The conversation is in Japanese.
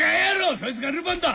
そいつがルパンだ！